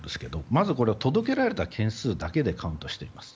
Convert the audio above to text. まずこれは届けられた件数だけでカウントしています。